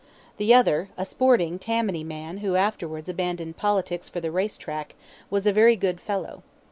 The other, a sporting Tammany man who afterwards abandoned politics for the race track, was a very good fellow.